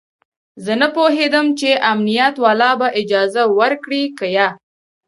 زه نه پوهېدم چې امنيت والا به اجازه ورکړي که يه.